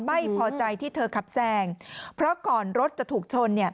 ไม่พอใจที่เธอขับแซงเพราะก่อนรถจะถูกชน